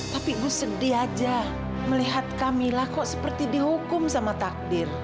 tapi gue sedih aja melihat kami lah kok seperti dihukum sama takdir